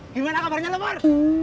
gimana kabarnya temur